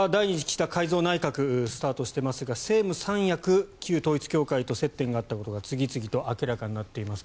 岸田改造内閣スタートしていますが政務三役旧統一教会と接点があったことが次々と明らかになっています。